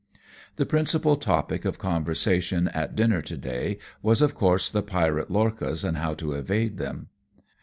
The principal topic of conversation at dinner to day was of course the pirate lorchas and how to evade them.